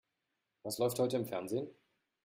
Was läuft heute im Fernsehen?